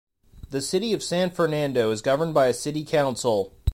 The City of San Fernando is governed by a city council.